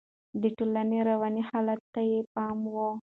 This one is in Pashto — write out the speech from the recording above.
د ټولنې رواني حالت ته يې پام و.